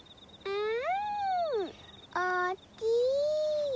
うん！